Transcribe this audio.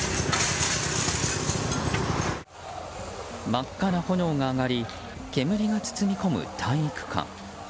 真っ赤な炎が上がり煙が包み込む体育館。